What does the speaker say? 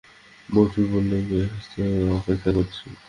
বটু বললে, বেশ তো অপেক্ষা করছি।